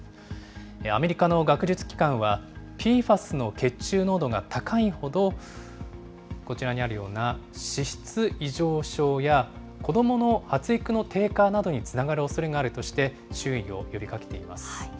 アメリカの学術機関はＰＦＡＳの血中濃度が高いほど、こちらにあるような脂質異常症や子どもの発育の低下などにつながるおそれがあるとして、注意を呼びかけています。